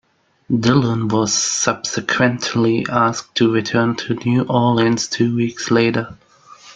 Dillon was subsequently asked to return to New Orleans two weeks later.